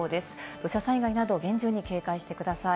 土砂災害など厳重に警戒してください。